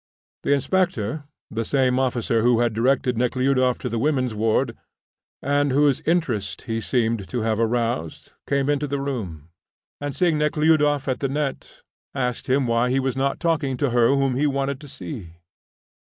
The inspector, the same officer who had directed Nekhludoff to the women's ward, and whose interest he seemed to have aroused, came into the room, and, seeing Nekhludoff not at the net, asked him why he was not talking to her whom he wanted to see.